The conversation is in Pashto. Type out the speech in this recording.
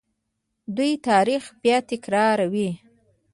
دوی تاریخ بیا تکراروي.